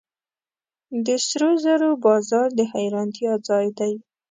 د سرو زرو بازار د حیرانتیا ځای دی.